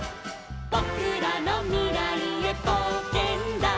「ぼくらのみらいへぼうけんだ」